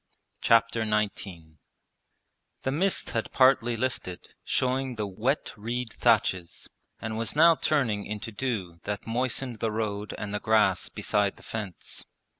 Chapter XIX The mist had partly lifted, showing the wet reed thatches, and was now turning into dew that moistened the road and the grass beside the fence.